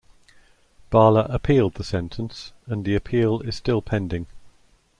Bala appealed the sentence and the appeal is still pending.